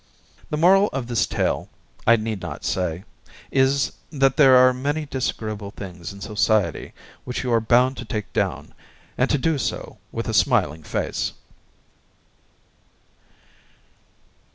The moral of this tale, I need not say, is, that there are many disagreeable things in society which you are bound to take down, and to do so with a smiling face.